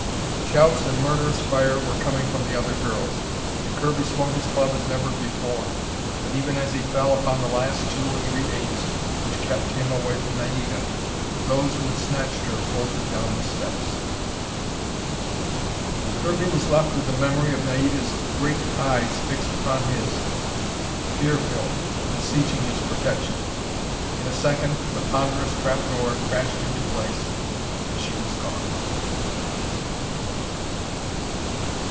Shouts and murderous fire were coming from the other girls, and Kirby swung his club as never before. But even as he fell upon the last two or three apes which kept him away from Naida, those who had snatched her, bolted down the steps. Kirby was left with the memory of Naida's great eyes fixed upon his, fear filled, beseeching his protection. In a second, the ponderous trapdoor crashed into place, and she was gone.